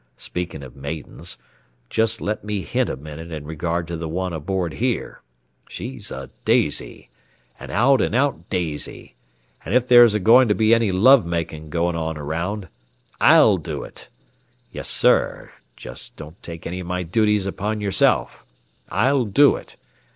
Speakin' of maidens, jest let me hint a minute in regard to the one aboard here. She's a daisy. An out an' out daisy. An' if there's a goin' to be any love makin' going on around, I'll do it. Yes, sir, don't take any of my duties upon yourself. I'll do it.